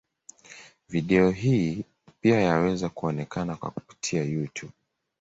Video hii pia yaweza kuonekana kwa kupitia Youtube.